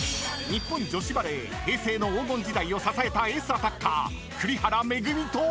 ［日本女子バレー平成の黄金時代を支えたエースアタッカー栗原恵と］